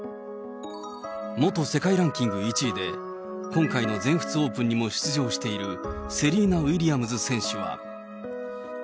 元世界ランキング１位で、今回の全仏オープンにも出場しているセリーナ・ウィリアムズ選手は。